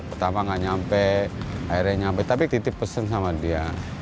pertama nggak nyampe airnya nyampe tapi titip pesen sama dia